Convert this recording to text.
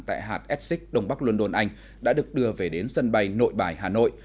tại hạt essex đông bắc london anh đã được đưa về đến sân bay nội bài hà nội